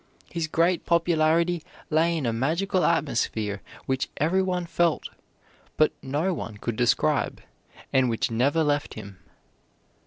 His great popularity lay in a magical atmosphere which every one felt, but no one could describe, and which never left him.